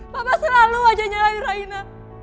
papa selalu wajahnya lain raina